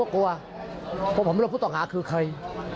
เพราะผมไม่รู้ว่าผู้ต่อหาคือใคร